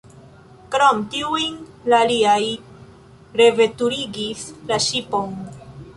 Krom tiujn, la aliaj reveturigis la ŝipon.